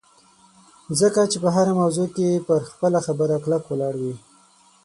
ځکه چې په هره موضوع کې پر خپله خبره کلک ولاړ وي